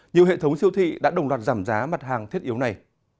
nhiều hệ thống siêu thị đã đồng loạt giảm giá mặt hàng thiết yếu này